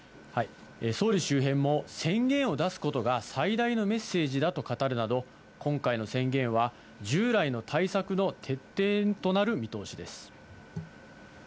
総理周辺も、宣言を出すことが最大のメッセージだと語るなど、今回の宣言は従来の対策の徹底となる見通しです。